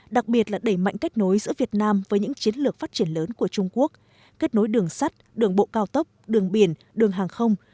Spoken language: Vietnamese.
đặc biệt là đẩy mạnh kết nối giữa việt nam với những chiến lược phát triển lớn của trung quốc kết nối đường sắt đường bộ cao tốc đường biển đường hàng không